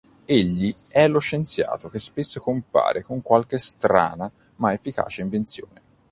Egli è lo scienziato che spesso compare con qualche strana ma efficace invenzione.